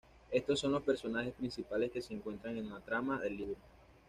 Estos son los personajes principales que se encuentran en la trama del libro.